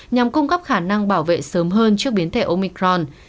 nhằm cung cấp khả năng bảo vệ sớm hơn trước biến thể omicron